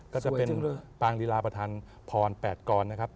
ก็จะเป็นปางลีลาประธานพร๘กรนะครับ